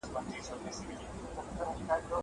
زه چپنه نه پاکوم!